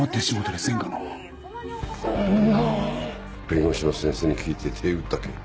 弁護士の先生に聞いて手打ったけぇ。